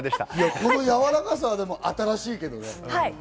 このやわらかさは新しいけどね。